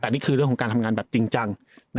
แต่นี่คือเรื่องของการทำงานแบบจริงจัง